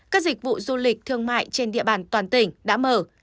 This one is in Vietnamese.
các dịch vụ du lịch thương mại trên địa bàn toàn tỉnh đã mở